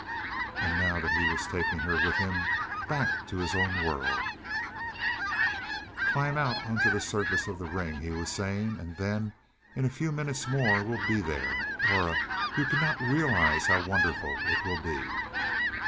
And now that he was taking her with him, back to his own world "Climb out on to the surface of the ring," he was saying, "and then, in a few minutes more, we'll be there. Aura, you cannot realize how wonderful it will be."